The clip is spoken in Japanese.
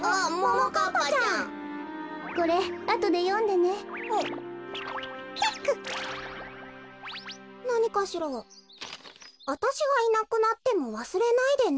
「わたしがいなくなってもわすれないでね」。